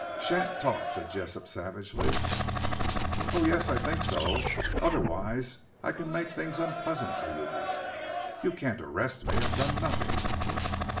"Sha'n't talk," said Jessop, savagely. "Oh, yes, I think so; otherwise I can make things unpleasant for you." "You can't arrest me. I've done nothing."